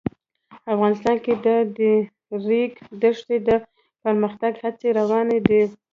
افغانستان کې د د ریګ دښتې د پرمختګ هڅې روانې دي.